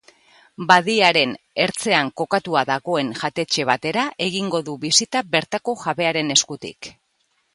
Badiaren ertzean kokatua dagoen jatetxe batera egingo du bisita bertako jabearen eskutik.